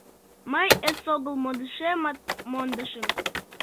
Мый эсогыл модышемат мондышым.